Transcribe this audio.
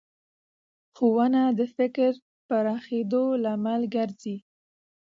ښوونه د فکر پراخېدو لامل ګرځي